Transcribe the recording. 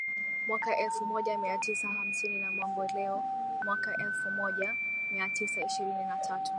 mwaka elfumoja miatisa hamsini na Mamboleo mwaka elfumoja miatisa ishirini na tatu